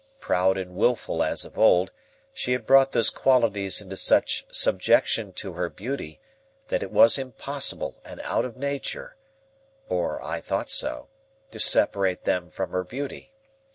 Proud and wilful as of old, she had brought those qualities into such subjection to her beauty that it was impossible and out of nature—or I thought so—to separate them from her beauty.